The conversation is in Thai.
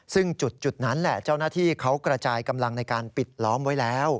ซึ่งจุดนั้นแหละเจ้าหน้าที่เขากระจายกำลังในการปิดล้อมไว้แล้ว